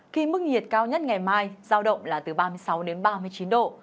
khi mức nhiệt cao nhất ngày mai giao động là từ ba mươi sáu đến ba mươi chín độ